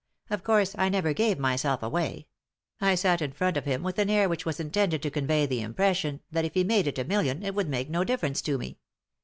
Of course I never gave myself away ; I sat in front of him with an air which was intended to convey the impression that if he made it a million it would make no difference to me.